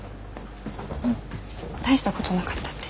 うん大したことなかったって。